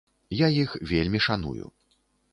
Я іх вельмі шаную.